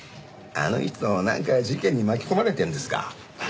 あの人なんか事件に巻き込まれてるんですか？